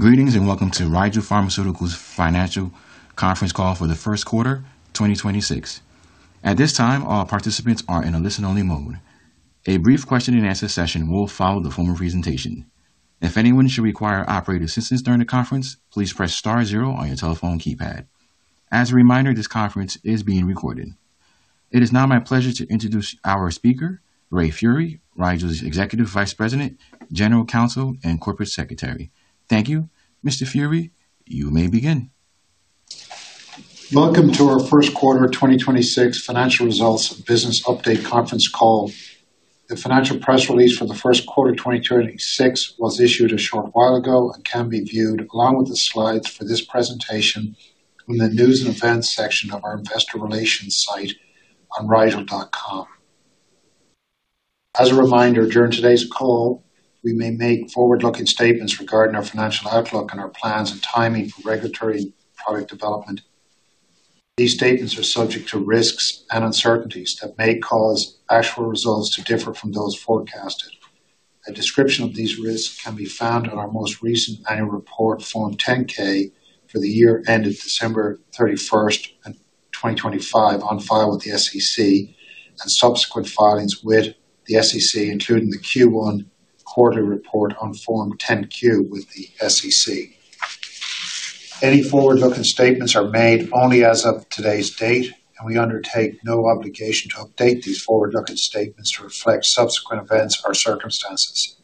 Greetings. Welcome to Rigel Pharmaceuticals Financial Conference call for the first quarter 2026. At this time, all participants are in a listen-only mode. A brief question-and-answer session will follow the formal presentation. If anyone should require operator assistance during the conference, please press Star zero on your telephone keypad. As a reminder, this conference is being recorded. It is now my pleasure to introduce our speaker, Ray Furey, Rigel's Executive Vice President, General Counsel, and Corporate Secretary. Thank you. Mr. Furey, you may begin. Welcome to our first quarter 2026 financial results business update conference call. The financial press release for the first quarter 2026 was issued a short while ago and can be viewed along with the Slides for this presentation in the News & Events section of our investor relations site on rigel.com. As a reminder, during today's call, we may make forward-looking statements regarding our financial outlook and our plans and timing for regulatory product development. These statements are subject to risks and uncertainties that may cause actual results to differ from those forecasted. A description of these risks can be found in our most recent annual report Form 10-K for the year ended December 31st and 2025 on file with the SEC and subsequent filings with the SEC, including the Q1 quarterly report on Form 10-Q with the SEC. Any forward-looking statements are made only as of today's date, and we undertake no obligation to update these forward-looking statements to reflect subsequent events or circumstances.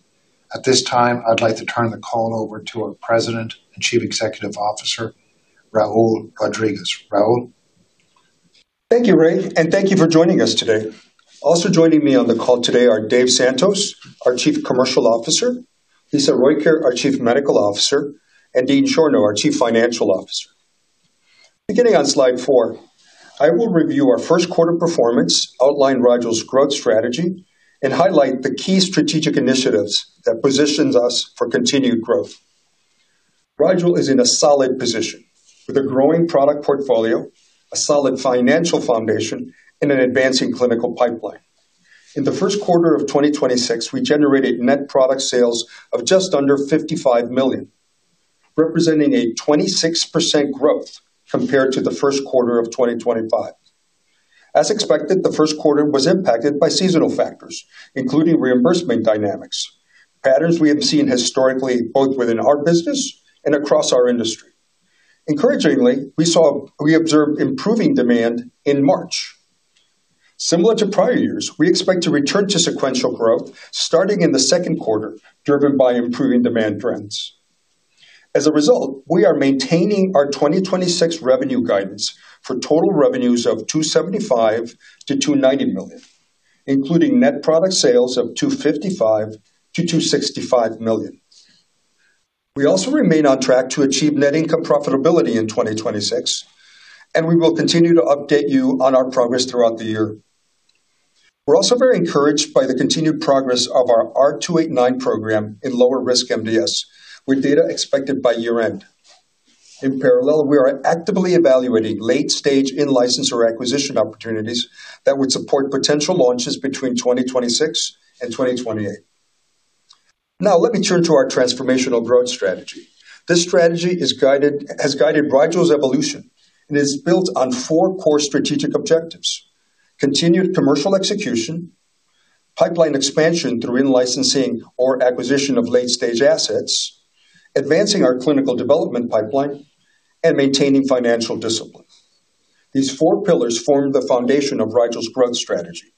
At this time, I'd like to turn the call over to our President and Chief Executive Officer, Raul Rodriguez. Raul. Thank you, Ray, and thank you for joining us today. Also joining me on the call today are Dave Santos, our Chief Commercial Officer, Lisa Rojkjaer, our Chief Medical Officer, and Dean Schorno, our Chief Financial Officer. Beginning on Slide four, I will review our first quarter performance, outline Rigel's growth strategy, and highlight the key strategic initiatives that positions us for continued growth. Rigel is in a solid position with a growing product portfolio, a solid financial foundation, and an advancing clinical pipeline. In the first quarter of 2026, we generated net product sales of just under $55 million, representing a 26% growth compared to the first quarter of 2025. As expected, the first quarter was impacted by seasonal factors, including reimbursement dynamics, patterns we have seen historically both within our business and across our industry. Encouragingly, we observed improving demand in March. Similar to prior years, we expect to return to sequential growth starting in the second quarter, driven by improving demand trends. As a result, we are maintaining our 2026 revenue guidance for total revenues of $275 million-$290 million, including net product sales of $255 million-$265 million. We also remain on track to achieve net income profitability in 2026, and we will continue to update you on our progress throughout the year. We're also very encouraged by the continued progress of our R289 program in lower risk MDS, with data expected by year-end. In parallel, we are actively evaluating late-stage in-license or acquisition opportunities that would support potential launches between 2026 and 2028. Now, let me turn to our transformational growth strategy. This strategy has guided Rigel's evolution and is built on four core strategic objectives: continued commercial execution, pipeline expansion through in-licensing or acquisition of late-stage assets, advancing our clinical development pipeline, and maintaining financial discipline. These four pillars form the foundation of Rigel's growth strategy.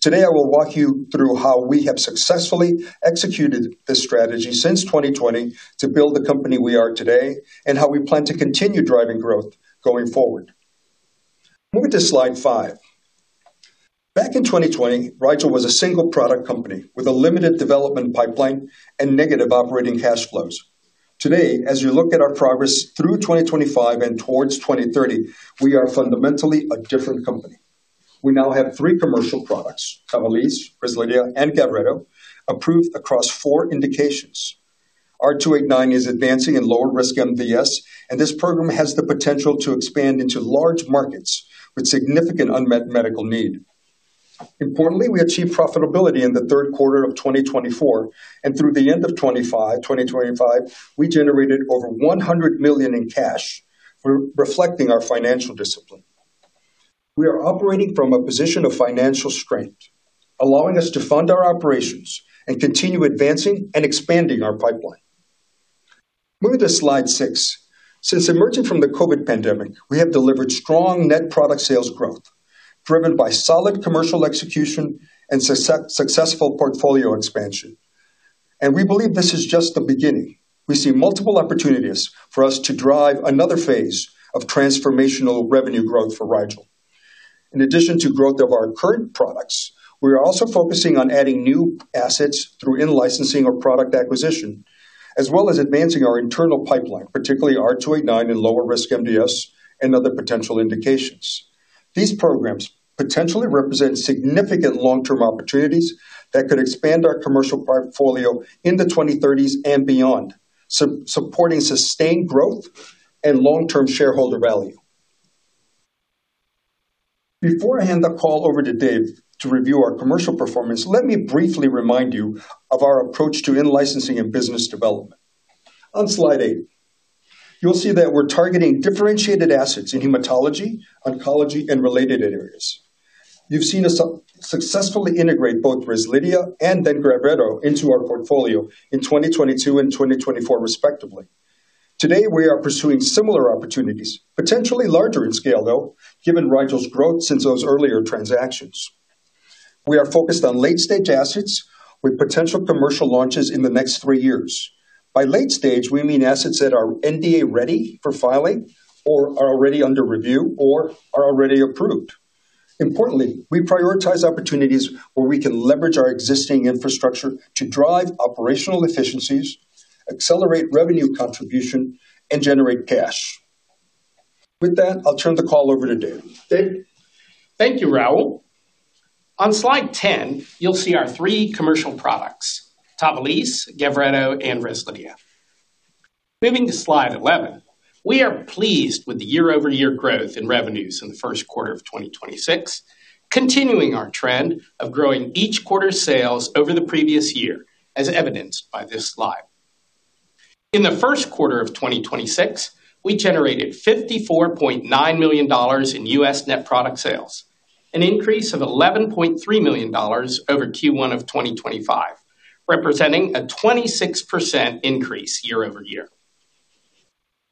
Today, I will walk you through how we have successfully executed this strategy since 2020 to build the company we are today and how we plan to continue driving growth going forward. Moving to Slide five. Back in 2020, Rigel was a single product company with a limited development pipeline and negative operating cash flows. Today, as you look at our progress through 2025 and towards 2030, we are fundamentally a different company. We now have three commercial products, TAVALLISSE, REZLIDHIA, and GAVRETO, approved across four indications. R289 is advancing in lower-risk MDS, and this program has the potential to expand into large markets with significant unmet medical need. Importantly, we achieved profitability in the third quarter of 2024, and through the end of 2025, we generated over $100 million in cash, reflecting our financial discipline. We are operating from a position of financial strength, allowing us to fund our operations and continue advancing and expanding our pipeline. Moving to Slide six. Since emerging from the COVID pandemic, we have delivered strong net product sales growth, driven by solid commercial execution and successful portfolio expansion. We believe this is just the beginning. We see multiple opportunities for us to drive another phase of transformational revenue growth for Rigel. In addition to growth of our current products, we are also focusing on adding new assets through in-licensing or product acquisition, as well as advancing our internal pipeline, particularly R289 in lower-risk MDS and other potential indications. These programs potentially represent significant long-term opportunities that could expand our commercial portfolio in the 2030s and beyond, supporting sustained growth and long-term shareholder value. Before I hand the call over to Dave to review our commercial performance, let me briefly remind you of our approach to in-licensing and business development. On Slide eight, you'll see that we're targeting differentiated assets in hematology, oncology, and related areas. You've seen us successfully integrate both REZLIDHIA and GAVRETO into our portfolio in 2022 and 2024 respectively. Today, we are pursuing similar opportunities, potentially larger in scale though, given Rigel's growth since those earlier transactions. We are focused on late-stage assets with potential commercial launches in the next three years. By late stage, we mean assets that are NDA-ready for filing or are already under review or are already approved. Importantly, we prioritize opportunities where we can leverage our existing infrastructure to drive operational efficiencies, accelerate revenue contribution, and generate cash. With that, I'll turn the call over to Dave. Dave? Thank you, Raul. On Slide 10, you'll see our three commercial products, TAVALISSE, GAVRETO, and REZLIDHIA. Moving to Slide 11. We are pleased with the year-over-year growth in revenues in the first quarter of 2026, continuing our trend of growing each quarter's sales over the previous year, as evidenced by this Slide. In the first quarter of 2026, we generated $54.9 million in U.S. net product sales, an increase of $11.3 million over Q1 of 2025, representing a 26% increase year-over-year.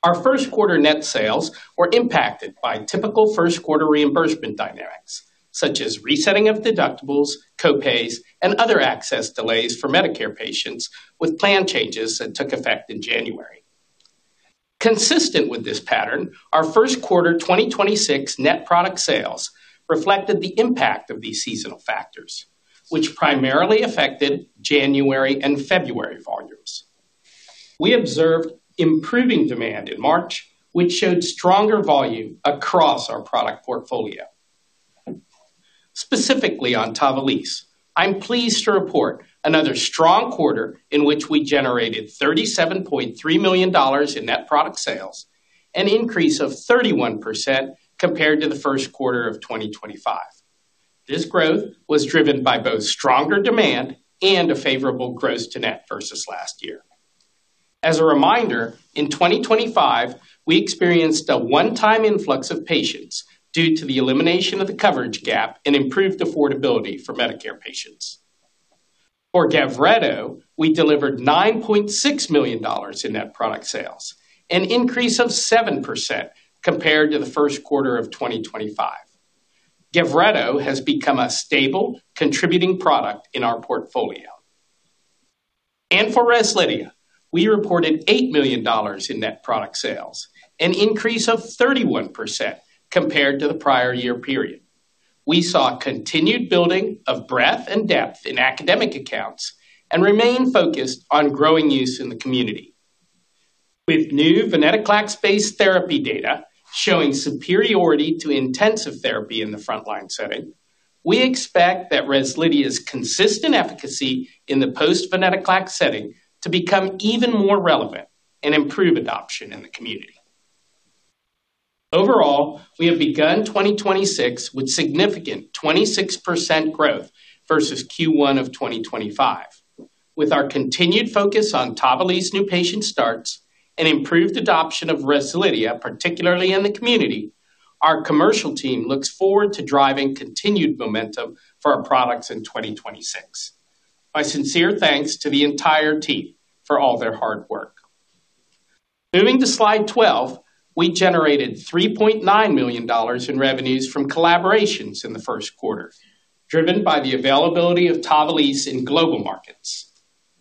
Our first quarter net sales were impacted by typical first quarter reimbursement dynamics, such as resetting of deductibles, co-pays, and other access delays for Medicare patients with plan changes that took effect in January. Consistent with this pattern, our first quarter 2026 net product sales reflected the impact of these seasonal factors, which primarily affected January and February volumes. We observed improving demand in March, which showed stronger volume across our product portfolio. Specifically on TAVALISSE, I'm pleased to report another strong quarter in which we generated $37.3 million in net product sales, an increase of 31% compared to the first quarter of 2025. This growth was driven by both stronger demand and a favorable gross to net versus last year. As a reminder, in 2025, we experienced a one-time influx of patients due to the elimination of the coverage gap and improved affordability for Medicare patients. For GAVRETO, we delivered $9.6 million in net product sales, an increase of 7% compared to the first quarter of 2025. GAVRETO has become a stable contributing product in our portfolio. For REZLIDHIA, we reported $8 million in net product sales, an increase of 31% compared to the prior year period. We saw continued building of breadth and depth in academic accounts and remain focused on growing use in the community. With new venetoclax-based therapy data showing superiority to intensive therapy in the frontline setting, we expect that REZLIDHIA's consistent efficacy in the post-venetoclax setting to become even more relevant and improve adoption in the community. Overall, we have begun 2026 with significant 26% growth versus Q1 of 2025. With our continued focus on TAVALISSE new patient starts and improved adoption of REZLIDHIA, particularly in the community, our commercial team looks forward to driving continued momentum for our products in 2026. My sincere thanks to the entire team for all their hard work. Moving to Slide 12, we generated $3.9 million in revenues from collaborations in the 1st quarter, driven by the availability of TAVALISSE in global markets.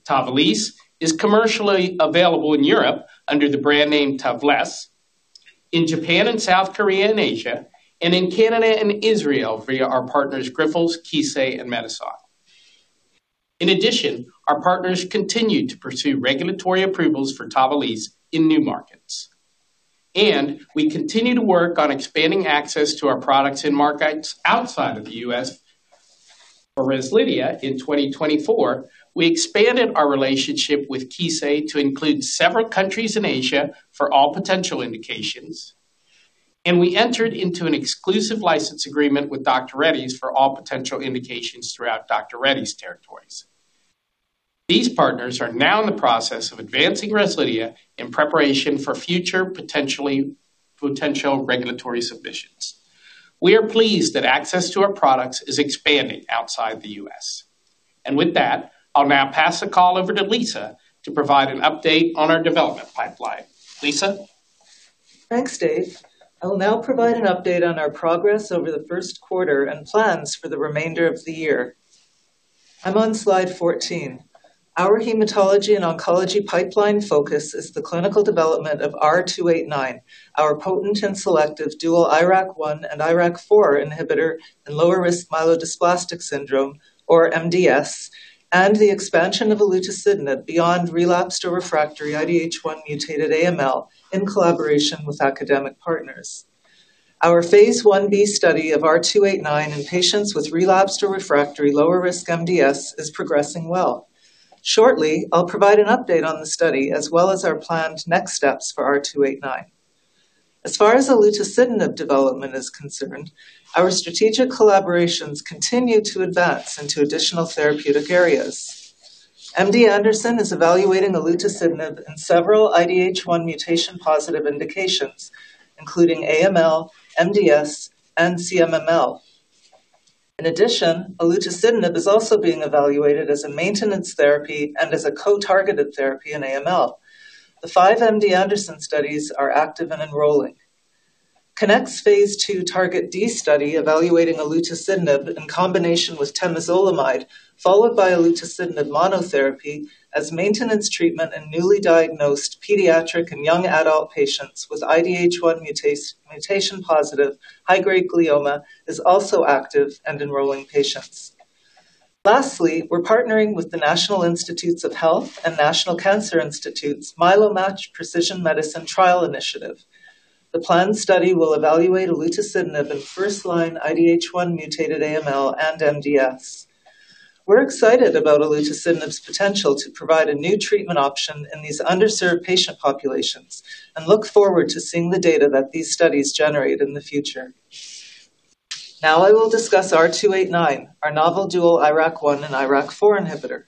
TAVALISSE is commercially available in Europe under the brand name TAVLESSE, in Japan and South Korea and Asia, and in Canada and Israel via our partners Grifols, Kissei, and Medison. In addition, our partners continued to pursue regulatory approvals for TAVALISSE in new markets. We continue to work on expanding access to our products in markets outside of the U.S. For REZLIDHIA in 2024, we expanded our relationship with Kissei to include several countries in Asia for all potential indications, and we entered into an exclusive license agreement with Dr. Reddy's for all potential indications throughout Dr. Reddy's territories. These partners are now in the process of advancing REZLIDHIA in preparation for future potential regulatory submissions. We are pleased that access to our products is expanding outside the U.S. With that, I'll now pass the call over to Lisa to provide an update on our development pipeline. Lisa? Thanks, Dave. I'll now provide an update on our progress over the 1st quarter and plans for the remainder of the year. I'm on Slide 14. Our hematology and oncology pipeline focus is the clinical development of R289, our potent and selective dual IRAK1 and IRAK4 inhibitor in lower-risk myelodysplastic syndrome or MDS, and the expansion of olutasidenib beyond relapsed or refractory IDH1 mutated AML in collaboration with academic partners. Our phase I-B study of R289 in patients with relapsed or refractory lower risk MDS is progressing well. Shortly, I'll provide an update on the study as well as our planned next steps for R289. As far as olutasidenib development is concerned, our strategic collaborations continue to advance into additional therapeutic areas. MD Anderson is evaluating olutasidenib in several IDH1 mutation-positive indications, including AML, MDS, and CMML. In addition, olutasidenib is also being evaluated as a maintenance therapy and as a co-targeted therapy in AML. The five MD Anderson studies are active and enrolling. COG Neuro-Oncology Committee (CONNECT)'s phase II TarGeT-D study evaluating olutasidenib in combination with temozolomide, followed by olutasidenib monotherapy as maintenance treatment in newly diagnosed pediatric and young adult patients with IDH1 mutation-positive high-grade glioma is also active and enrolling patients. Lastly, we're partnering with the National Institutes of Health and National Cancer Institute's MyeloMATCH precision medicine trial initiative. The planned study will evaluate olutasidenib in first-line IDH1-mutated AML and MDS. We're excited about olutasidenib's potential to provide a new treatment option in these underserved patient populations and look forward to seeing the data that these studies generate in the future. Now I will discuss R289, our novel dual IRAK1 and IRAK4 inhibitor.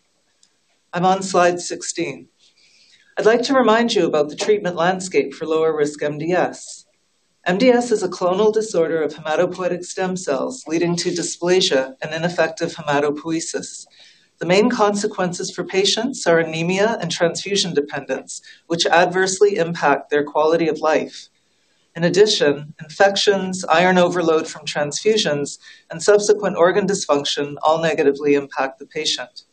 I'm on Slide 16. I'd like to remind you about the treatment landscape for lower-risk MDS. MDS is a clonal disorder of hematopoietic stem cells leading to dysplasia and ineffective hematopoiesis. The main consequences for patients are anemia and transfusion dependence, which adversely impact their quality of life. In addition, infections, iron overload from transfusions, and subsequent organ dysfunction all negatively impact the patient.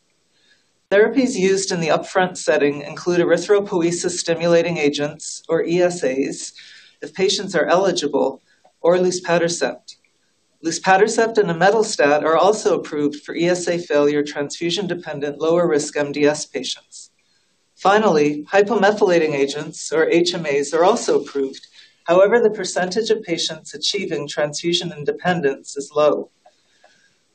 Therapies used in the upfront setting include erythropoiesis-stimulating agents or ESAs if patients are eligible or luspatercept. Luspatercept and imetelstat are also approved for ESA-failure transfusion-dependent lower-risk MDS patients. Finally, hypomethylating agents or HMAs are also approved. However, the percentage of patients achieving transfusion independence is low.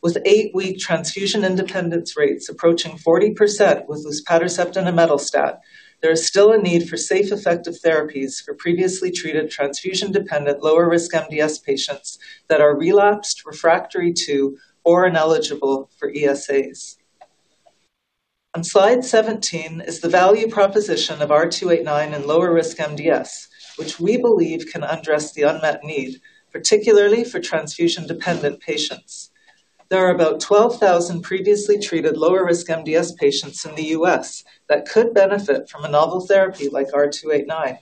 With 8-week transfusion independence rates approaching 40% with luspatercept and imetelstat, there is still a need for safe, effective therapies for previously treated transfusion-dependent lower-risk MDS patients that are relapsed, refractory to, or ineligible for ESAs. On Slide 17 is the value proposition of R289 in lower-risk MDS, which we believe can address the unmet need, particularly for transfusion-dependent patients. There are about 12,000 previously treated lower-risk MDS patients in the U.S. that could benefit from a novel therapy like R289.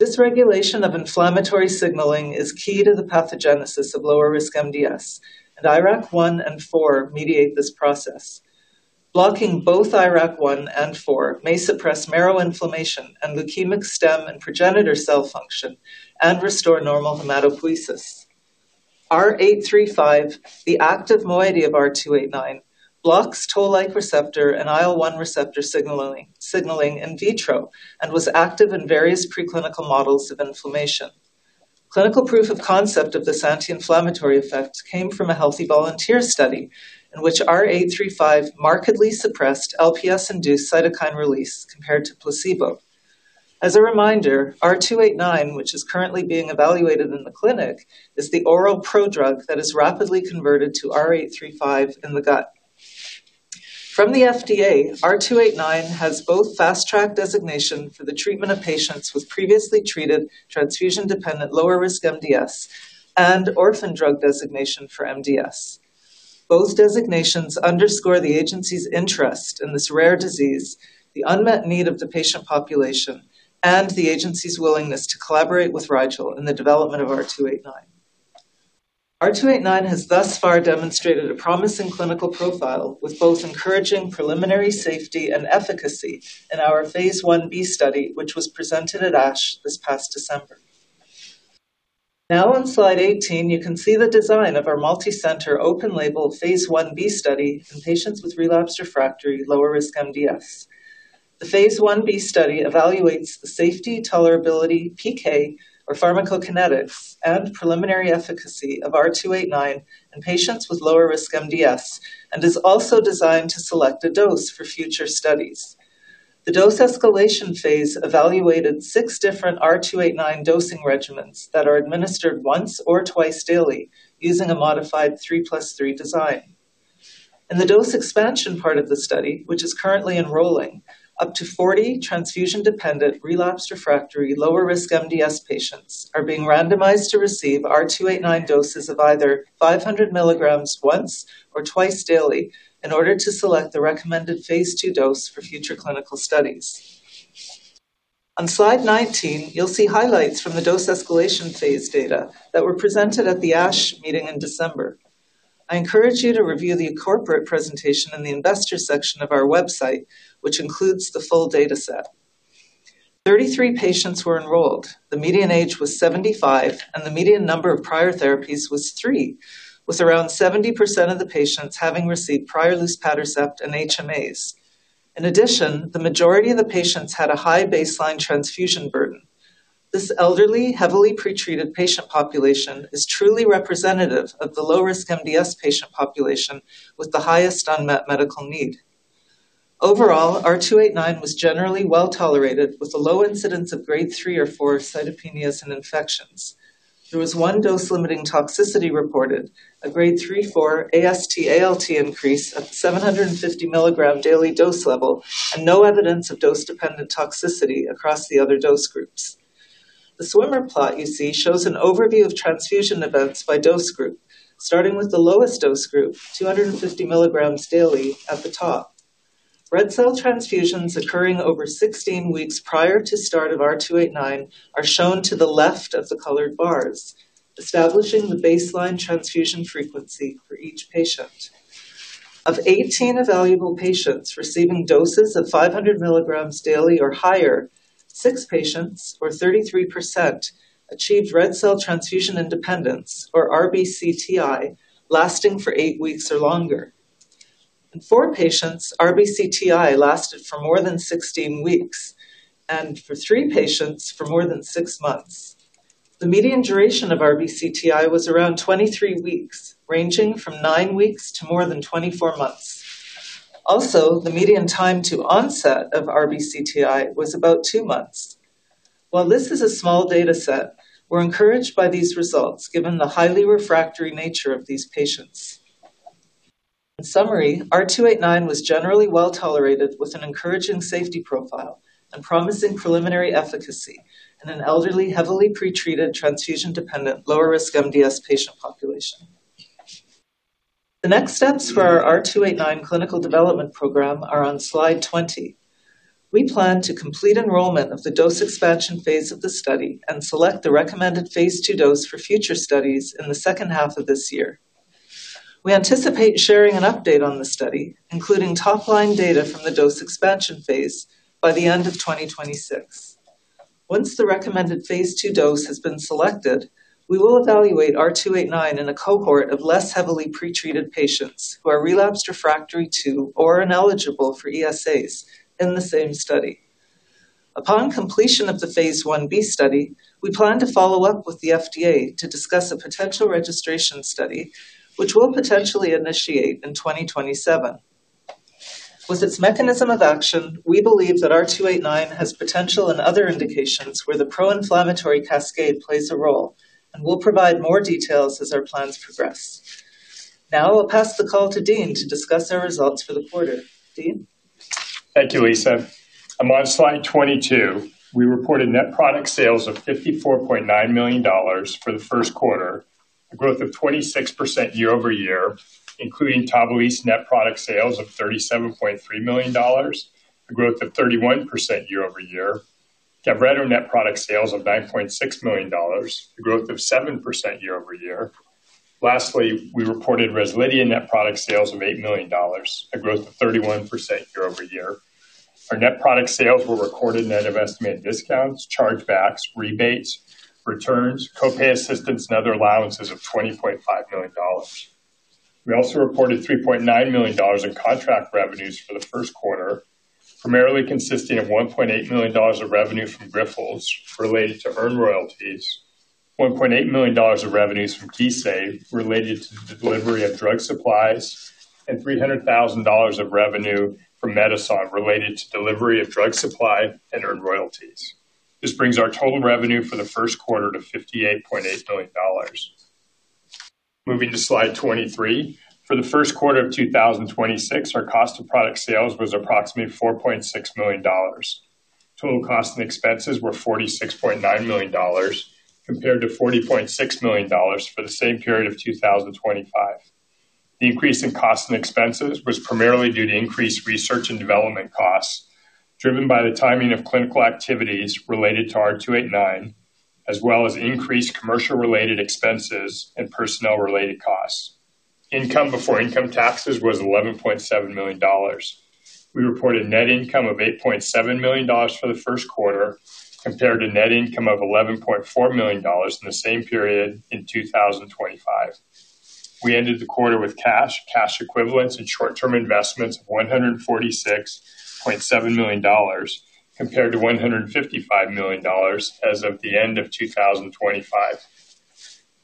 Dysregulation of inflammatory signaling is key to the pathogenesis of lower-risk MDS. IRAK1 and 4 mediate this process. Blocking both IRAK1 and 4 may suppress marrow inflammation and leukemic stem and progenitor cell function and restore normal hematopoiesis. R835, the active moiety of R289, blocks toll-like receptor and IL-1 receptor signaling in vitro and was active in various preclinical models of inflammation. Clinical proof of concept of this anti-inflammatory effect came from a healthy volunteer study in which R835 markedly suppressed LPS-induced cytokine release compared to placebo. As a reminder, R289, which is currently being evaluated in the clinic, is the oral prodrug that is rapidly converted to R835 in the gut. From the FDA, R289 has both Fast Track designation for the treatment of patients with previously treated transfusion-dependent lower-risk MDS and Orphan Drug designation for MDS. Both designations underscore the agency's interest in this rare disease, the unmet need of the patient population, and the agency's willingness to collaborate with Rigel in the development of R289. R289 has thus far demonstrated a promising clinical profile with both encouraging preliminary safety and efficacy in our phase I-B study, which was presented at ASH this past December. Now on Slide 18, you can see the design of our multicenter open-label phase I-B study in patients with relapsed/refractory lower-risk MDS. The phase I-B study evaluates the safety, tolerability, PK or pharmacokinetics, and preliminary efficacy of R289 in patients with lower-risk MDS and is also designed to select a dose for future studies. The dose escalation phase evaluated 6 different R289 dosing regimens that are administered once or twice daily using a modified 3 plus 3 design. In the dose expansion part of the study, which is currently enrolling, up to 40 transfusion-dependent relapsed/refractory lower-risk MDS patients are being randomized to receive R289 doses of either 500 milligrams once or twice daily in order to select the recommended phase II dose for future clinical studies. On Slide 19, you'll see highlights from the dose escalation phase data that were presented at the ASH meeting in December. I encourage you to review the corporate presentation in the investor section of our website, which includes the full dataset. 33 patients were enrolled. The median age was 75, and the median number of prior therapies was 3, with around 70% of the patients having received prior luspatercept and HMAs. In addition, the majority of the patients had a high baseline transfusion burden. This elderly, heavily pretreated patient population is truly representative of the low-risk MDS patient population with the highest unmet medical need. Overall, R289 was generally well-tolerated, with a low incidence of grade 3 or 4 cytopenias and infections. There was 1 dose-limiting toxicity reported, a grade 3/4 AST/ALT increase at 750 mg daily dose level, and no evidence of dose-dependent toxicity across the other dose groups. The swimmer plot you see shows an overview of transfusion events by dose group, starting with the lowest dose group, 250 mg daily at the top. Red cell transfusions occurring over 16 weeks prior to start of R289 are shown to the left of the colored bars, establishing the baseline transfusion frequency for each patient. Of 18 evaluable patients receiving doses of 500 milligrams daily or higher, 6 patients, or 33%, achieved red cell transfusion independence, or RBCTI, lasting for 8 weeks or longer. In 4 patients, RBCTI lasted for more than 16 weeks, and for 3 patients, for more than 6 months. The median duration of RBCTI was around 23 weeks, ranging from 9 weeks to more than 24 months. Also, the median time to onset of RBCTI was about 2 months. While this is a small data set, we're encouraged by these results given the highly refractory nature of these patients. In summary, R289 was generally well-tolerated with an encouraging safety profile and promising preliminary efficacy in an elderly, heavily pretreated transfusion-dependent lower-risk MDS patient population. The next steps for our R289 clinical development program are on Slide 20. We plan to complete enrollment of the dose expansion phase of the study and select the recommended phase II dose for future studies in the second half of this year. We anticipate sharing an update on the study, including top-line data from the dose expansion phase, by the end of 2026. Once the recommended phase II dose has been selected, we will evaluate R289 in a cohort of less heavily pretreated patients who are relapsed/refractory to or ineligible for ESAs in the same study. Upon completion of the phase I-B study, we plan to follow up with the FDA to discuss a potential registration study, which we'll potentially initiate in 2027. With its mechanism of action, we believe that R289 has potential in other indications where the pro-inflammatory cascade plays a role, and we'll provide more details as our plans progress. Now I'll pass the call to Dean to discuss our results for the quarter. Dean? Thank you, Lisa. I'm on Slide 22. We reported net product sales of $54.9 million for the first quarter, a growth of 26% year-over-year, including TAVALISSE net product sales of $37.3 million, a growth of 31% year-over-year. GAVRETO net product sales of $9.6 million, a growth of 7% year-over-year. Lastly, we reported REZLIDHIA net product sales of $8 million, a growth of 31% year-over-year. Our net product sales were recorded net of estimated discounts, chargebacks, rebates, returns, co-pay assistance, and other allowances of $20.5 million. We also reported $3.9 million in contract revenues for the first quarter, primarily consisting of $1.8 million of revenue from Grifols related to earned royalties, $1.8 million of revenues from GISAID related to the delivery of drug supplies, and $300,000 of revenue from Medison related to delivery of drug supply and earned royalties. This brings our total revenue for the first quarter to $58.8 million. Moving to Slide 23. For the first quarter of 2026, our cost of product sales was approximately $4.6 million. Total costs and expenses were $46.9 million compared to $40.6 million for the same period of 2025. The increase in costs and expenses was primarily due to increased research and development costs driven by the timing of clinical activities related to R289, as well as increased commercial-related expenses and personnel-related costs. Income before income taxes was $11.7 million. We reported net income of $8.7 million for the first quarter compared to net income of $11.4 million in the same period in 2025. We ended the quarter with cash equivalents, and short-term investments of $146.7 million compared to $155 million as of the end of 2025.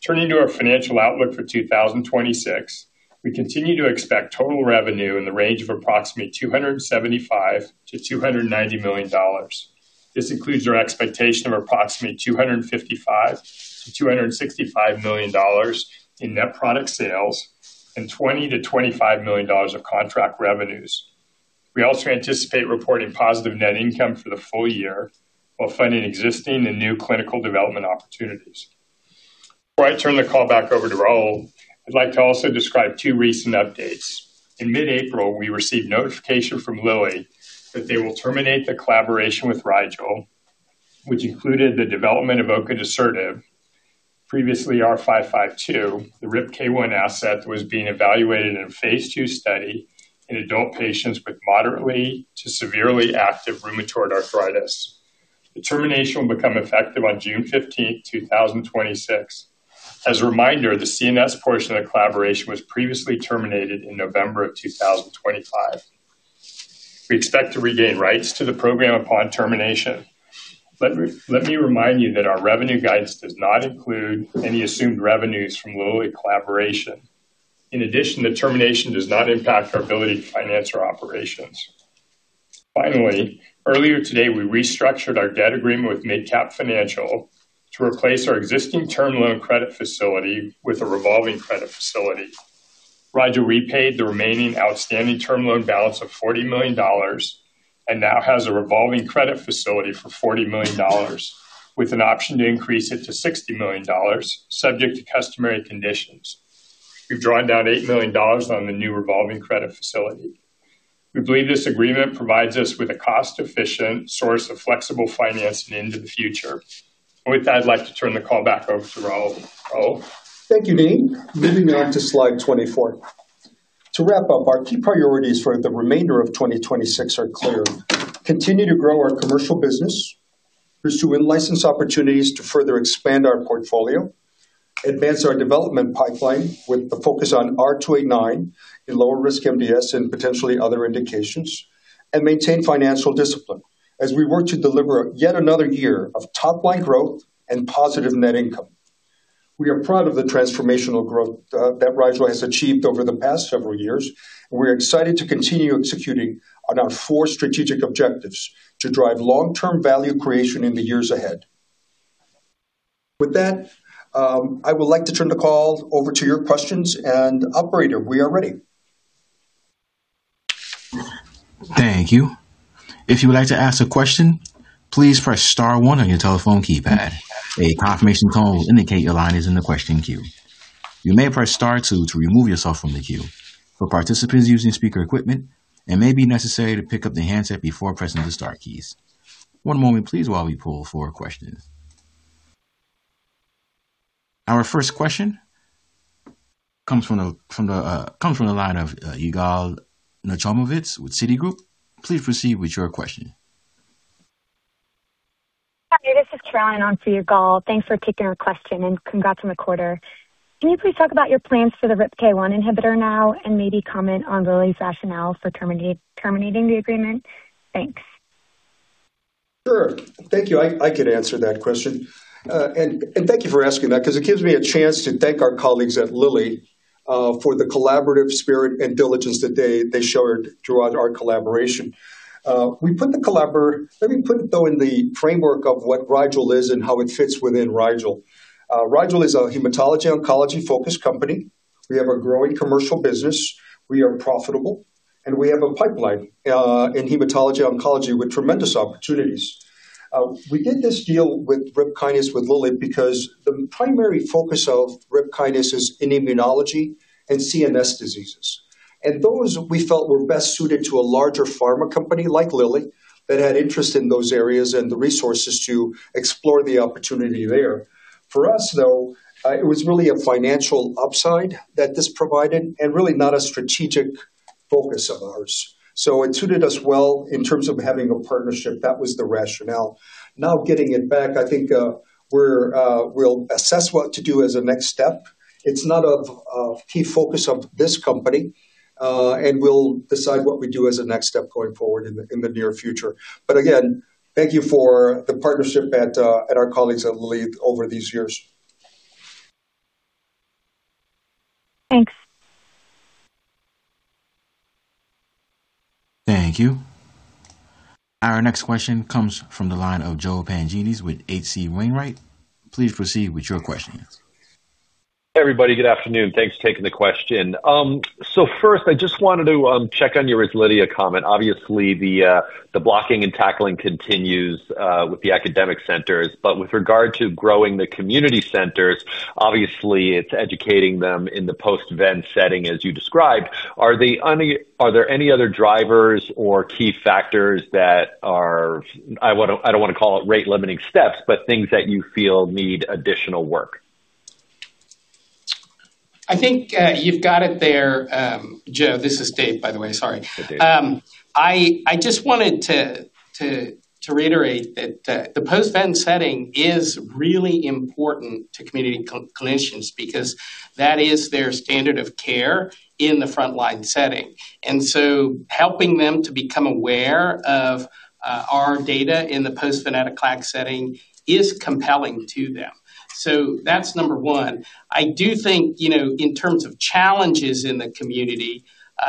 Turning to our financial outlook for 2026, we continue to expect total revenue in the range of approximately $275 million-$290 million. This includes our expectation of approximately $255 million-$265 million in net product sales and $20 million-$25 million of contract revenues. We also anticipate reporting positive net income for the full year while funding existing and new clinical development opportunities. Before I turn the call back over to Raul, I'd like to also describe two recent updates. In mid-April, we received notification from Lilly that they will terminate the collaboration with Rigel, which included the development of olgotinib, previously R552, the RIPK1 asset that was being evaluated in a phase II study in adult patients with moderately to severely active rheumatoid arthritis. The termination will become effective on June 15, 2026. As a reminder, the CNS portion of the collaboration was previously terminated in November 2025. We expect to regain rights to the program upon termination. Let me remind you that our revenue guidance does not include any assumed revenues from Lilly collaboration. The termination does not impact our ability to finance our operations. Earlier today, we restructured our debt agreement with MidCap Financial to replace our existing term loan credit facility with a revolving credit facility. Rigel repaid the remaining outstanding term loan balance of $40 million and now has a revolving credit facility for $40 million with an option to increase it to $60 million subject to customary conditions. We've drawn down $8 million on the new revolving credit facility. We believe this agreement provides us with a cost-efficient source of flexible financing into the future. I'd like to turn the call back over to Raul. Raul? Thank you, Dean. Moving on to Slide 24. To wrap up, our key priorities for the remainder of 2026 are clear. Continue to grow our commercial business. Pursue in-license opportunities to further expand our portfolio. Advance our development pipeline with a focus on R289 in lower-risk MDS and potentially other indications. Maintain financial discipline as we work to deliver yet another year of top-line growth and positive net income. We are proud of the transformational growth that Rigel has achieved over the past several years. We're excited to continue executing on our four strategic objectives to drive long-term value creation in the years ahead. With that, I would like to turn the call over to your questions. Operator, we are ready. Thank you. If you would like to ask a question, please press Star one on your telephone keypad. A confirmation tone will indicate your line is in the question queue. You may press Star two to remove yourself from the queue. For participants using speaker equipment, it may be necessary to pick up the handset before pressing the Star keys. One moment, please, while we pull for questions. Our first question comes from the line of Yigal Nochomovitz with Citigroup. Please proceed with your question. Hi, this is Caroline on for Yigal. Thanks for taking our question, and congrats on the quarter. Can you please talk about your plans for the RIPK1 inhibitor now and maybe comment on Lilly's rationale for terminating the agreement? Thanks. Sure. Thank you. I could answer that question. And thank you for asking that 'cause it gives me a chance to thank our colleagues at Lilly for the collaborative spirit and diligence that they showed throughout our collaboration. Let me put it though in the framework of what Rigel is and how it fits within Rigel. Rigel is a hematology oncology-focused company. We have a growing commercial business. We are profitable, and we have a pipeline in hematology oncology with tremendous opportunities. We did this deal with RIPK1 with Lilly because the primary focus of RIPK1 is in immunology and CNS diseases. Those we felt were best suited to a larger pharma company like Lilly that had interest in those areas and the resources to explore the opportunity there. For us, though, it was really a financial upside that this provided and really not a strategic focus of ours. It suited us well in terms of having a partnership. That was the rationale. Now getting it back, I think, we'll assess what to do as a next step. It's not a key focus of this company, and we'll decide what we do as a next step going forward in the near future. Again, thank you for the partnership at our colleagues at Lilly over these years. Thanks. Thank you. Our next question comes from the line of Joseph Pantginis with H.C. Wainwright. Please proceed with your questions. Hey, everybody. Good afternoon. Thanks for taking the question. First, I just wanted to check on your REZLIDHIA comment. Obviously, the blocking and tackling continues with the academic centers, but with regard to growing the community centers, obviously it's educating them in the post-ven setting, as you described. Are there any other drivers or key factors that are, I don't wanna call it rate-limiting steps, but things that you feel need additional work? I think, you've got it there, Joe. This is Dave, by the way. Sorry. Hi, Dave. I just wanted to reiterate that the post-ven setting is really important to community clinicians because that is their standard of care in the front-line setting. Helping them to become aware of our data in the post-venetoclax setting is compelling to them. That's number one. I do think, you know, in terms of challenges in the community,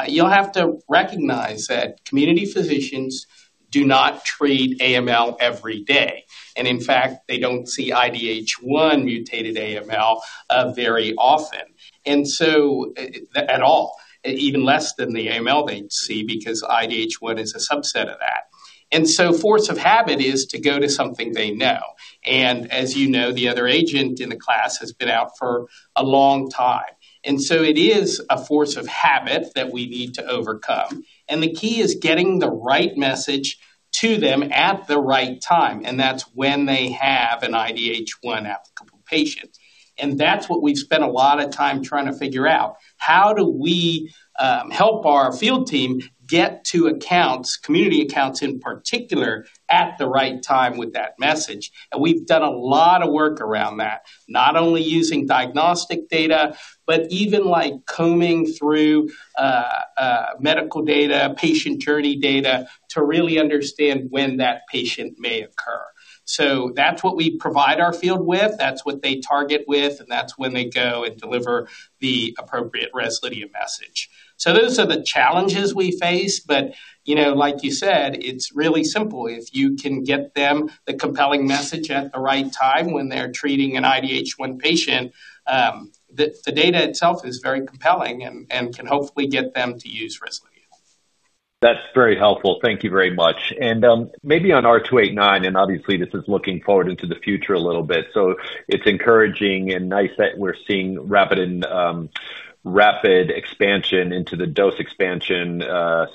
you'll have to recognize that community physicians do not treat AML every day. In fact, they don't see IDH1-mutated AML very often. At all, even less than the AML they see because IDH1 is a subset of that. Force of habit is to go to something they know. As you know, the other agent in the class has been out for a long time. It is a force of habit that we need to overcome. The key is getting the right message to them at the right time, and that's when they have an IDH1 applicable patient. That's what we've spent a lot of time trying to figure out. How do we help our field team get to accounts, community accounts in particular, at the right time with that message? We've done a lot of work around that, not only using diagnostic data, but even, like, combing through medical data, patient journey data, to really understand when that patient may occur. That's what we provide our field with, that's what they target with, and that's when they go and deliver the appropriate REZLIDHIA message. Those are the challenges we face, but, you know, like you said, it's really simple. If you can get them the compelling message at the right time when they're treating an IDH1 patient, the data itself is very compelling and can hopefully get them to use REZLIDHIA. That's very helpful. Thank you very much. Maybe on R289, and obviously this is looking forward into the future a little bit, so it's encouraging and nice that we're seeing rapid and rapid expansion into the dose expansion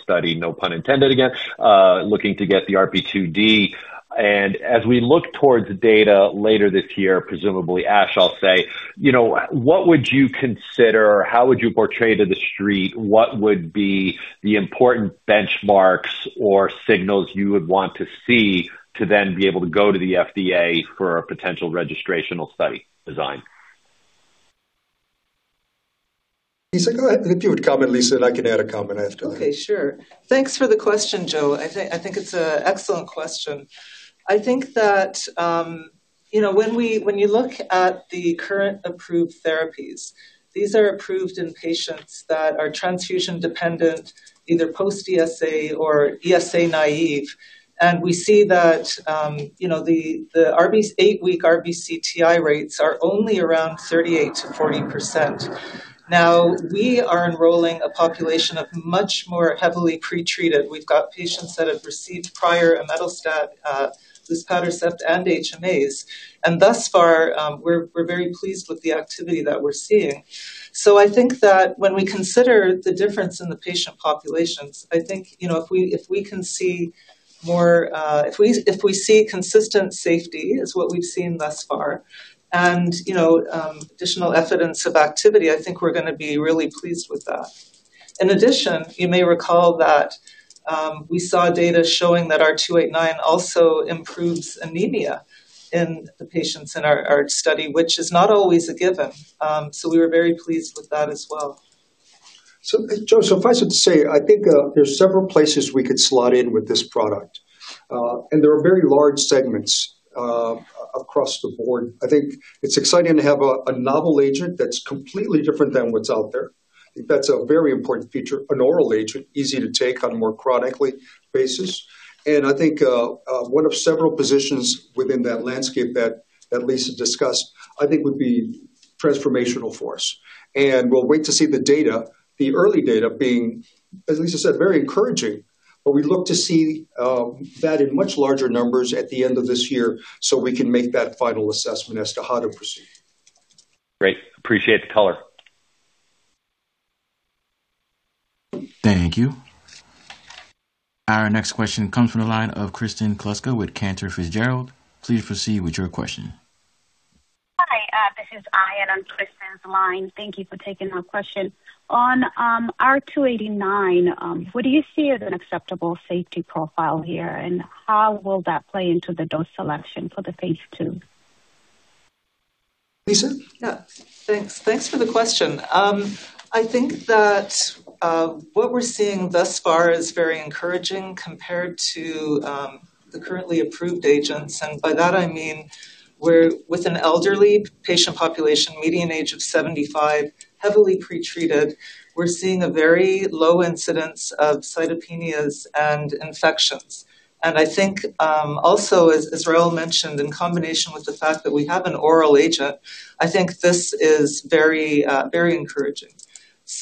study, no pun intended, again, looking to get the RP2D. As we look towards data later this year, presumably ASH, I'll say, you know, what would you consider or how would you portray to the street what would be the important benchmarks or signals you would want to see to then be able to go to the FDA for a potential registrational study design? Lisa, go ahead. If you would comment, Lisa, and I can add a comment after. Okay, sure. Thanks for the question, Joseph. I think it's a excellent question. I think that, you know, when you look at the current approved therapies, these are approved in patients that are transfusion dependent, either post-ESA or ESA naive. We see that, you know, the 8-week RBCTI rates are only around 38%-40%. Now, we are enrolling a population of much more heavily pre-treated. We've got patients that have received prior imetelstat, luspatercept, and HMAs. Thus far, we're very pleased with the activity that we're seeing. I think that when we consider the difference in the patient populations, I think, you know, if we see consistent safety, is what we've seen thus far, and, you know, additional evidence of activity, I think we're gonna be really pleased with that. In addition, you may recall that we saw data showing that R289 also improves anemia in the patients in our study, which is not always a given. We were very pleased with that as well. Joseph, if I should say, I think there's several places we could slot in with this product. There are very large segments across the board. I think it's exciting to have a novel agent that's completely different than what's out there. I think that's a very important feature. An oral agent, easy to take on a more chronically basis. I think one of several positions within that landscape that Lisa discussed, I think would be transformational for us. We'll wait to see the data, the early data being, as Lisa said, very encouraging. We look to see that in much larger numbers at the end of this year, so we can make that final assessment as to how to proceed. Great. Appreciate the color. Thank you. Our next question comes from the line of Kristen Kluska with Cantor Fitzgerald. Please proceed with your question. Hi, this is Aya on Kristen's line. Thank you for taking her question. On R289, what do you see as an acceptable safety profile here, and how will that play into the dose selection for the phase II? Lisa? Yeah. Thanks. Thanks for the question. I think that what we're seeing thus far is very encouraging compared to the currently approved agents. By that I mean we're with an elderly patient population, median age of 75, heavily pre-treated. We're seeing a very low incidence of cytopenias and infections. I think, also, as Raul mentioned, in combination with the fact that we have an oral agent, I think this is very encouraging.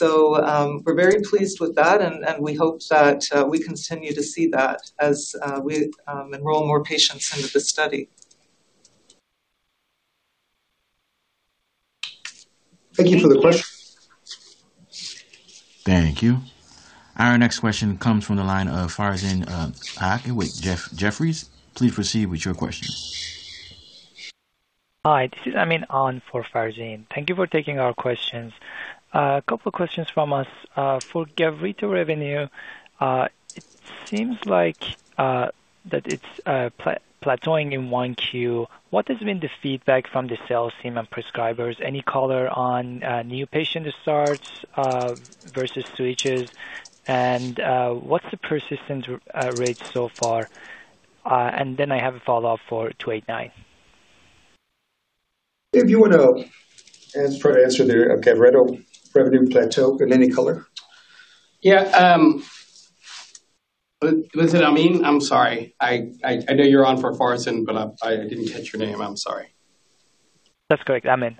We're very pleased with that and we hope that we continue to see that as we enroll more patients into the study. Thank you for the question. Thank you. Our next question comes from the line of Farzin Haque with Jefferies. Please proceed with your question. Hi, this is Amin on for Farzin. Thank you for taking our questions. A couple of questions from us. For GAVRETO revenue, it seems like that it's plateauing in one Q. What has been the feedback from the sales team and prescribers? Any color on new patient starts versus switches? What's the persistence rate so far? I have a follow-up for R289. If you wanna answer the GAVRETO revenue plateau in any color? Yeah, listen, Amin, I'm sorry. I know you're on for Farzin, but I didn't catch your name. I'm sorry. That's correct. Amin.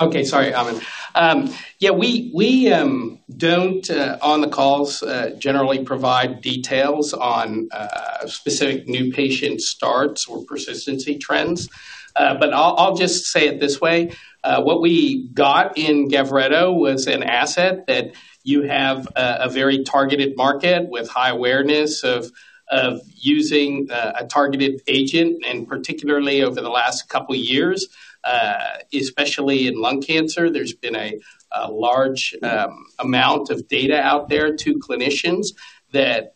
Okay. Sorry, Amin. We don't on the calls generally provide details on specific new patient starts or persistency trends. I'll just say it this way. What we got in GAVRETO was an asset that you have a very targeted market with high awareness of using a targeted agent, and particularly over the last couple years, especially in lung cancer. There's been a large amount of data out there to clinicians that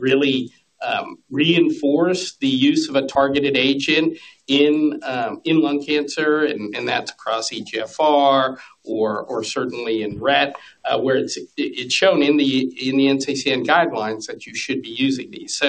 really reinforce the use of a targeted agent in lung cancer, and that's across EGFR or certainly in RET, where it's shown in the NCCN guidelines that you should be using these.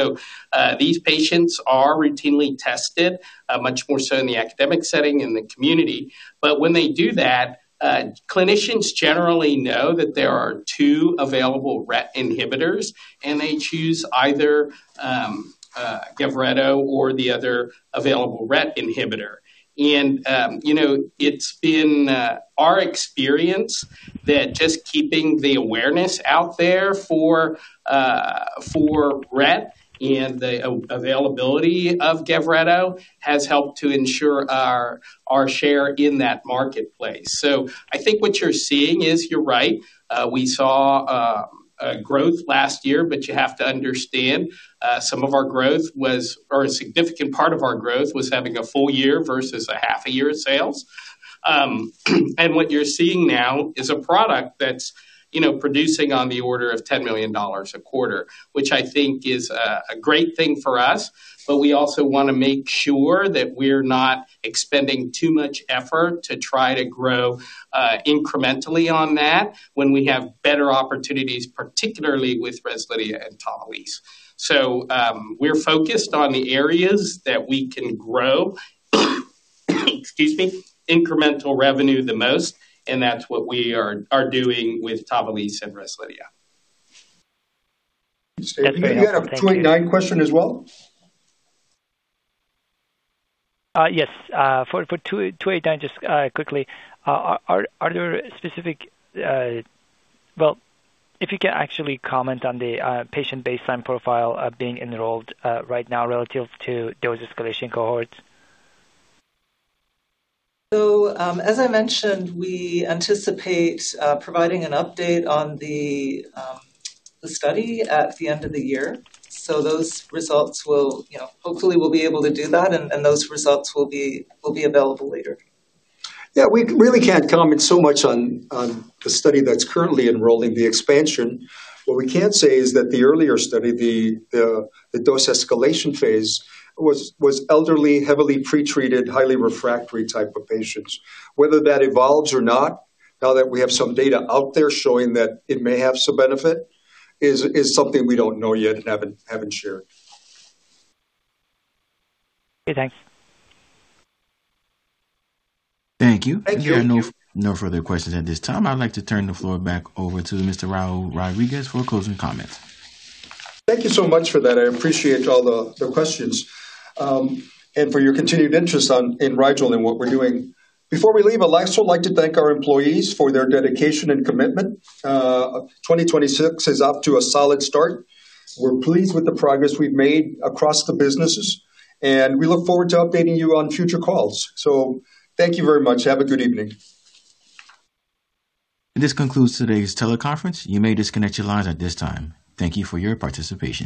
These patients are routinely tested much more so in the academic setting in the community. When they do that, clinicians generally know that there are two available RET inhibitors, and they choose either GAVRETO or the other available RET inhibitor. You know, it's been our experience that just keeping the awareness out there for RET and the availability of GAVRETO has helped to ensure our share in that marketplace. I think what you're seeing is, you're right, we saw growth last year, but you have to understand, some of our growth was a significant part of our growth was having a full year versus a half a year of sales. What you're seeing now is a product that's, you know, producing on the order of $10 million a quarter, which I think is a great thing for us. We also wanna make sure that we're not expending too much effort to try to grow incrementally on that when we have better opportunities, particularly with REZLIDHIA and TAVALISSE. We're focused on the areas that we can grow. Excuse me. Incremental revenue the most, that's what we are doing with TAVALISSE and REZLIDHIA. Okay. Thank you. Steve, do you have a 289 question as well? Yes. For R289, just quickly. Well, if you can actually comment on the patient baseline profile being enrolled right now relative to dose escalation cohorts? As I mentioned, we anticipate providing an update on the study at the end of the year. Those results will, you know, hopefully we'll be able to do that, and those results will be available later. Yeah, we really can't comment so much on the study that's currently enrolling the expansion. What we can say is that the earlier study, the dose escalation phase, was elderly, heavily pretreated, highly refractory type of patients. Whether that evolves or not, now that we have some data out there showing that it may have some benefit, is something we don't know yet and haven't shared. Okay, thanks. Thank you. Thank you. If there are no further questions at this time, I'd like to turn the floor back over to Mr. Raul Rodriguez for closing comments. Thank you so much for that. I appreciate all the questions and for your continued interest in Rigel and what we're doing. Before we leave, I'd also like to thank our employees for their dedication and commitment. 2026 is off to a solid start. We're pleased with the progress we've made across the businesses, and we look forward to updating you on future calls. Thank you very much. Have a good evening. This concludes today's teleconference. You may disconnect your lines at this time. Thank you for your participation.